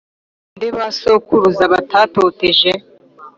Ni nde ba sokuruza batatoteje